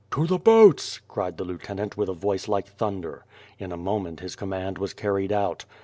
"To the boats!" cried the lieutenant with a voice like thunder. In a moment his command was carried out.